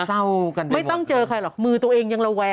เซ่ากันไปหมดเลยนะ